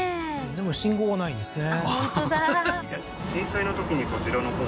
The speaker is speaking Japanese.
でも信号はないんですね